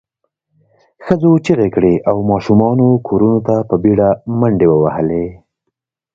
ښځو چیغې کړې او ماشومانو کورونو ته په بېړه منډې ووهلې.